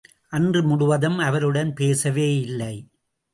அன்று முழுவதும் அவருடன் பேசவேயில்லை.